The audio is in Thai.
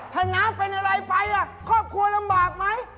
ถ้าน้าเป็นอะไรไปครอบครัวลำบากไหม